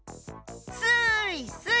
スイスイ！